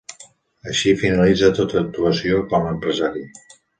Així finalitza tota actuació com a empresari.